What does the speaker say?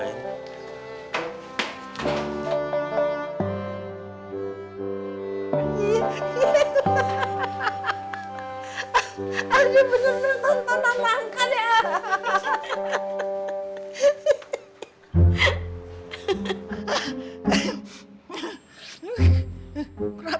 aduh bener bener tontonan banget ya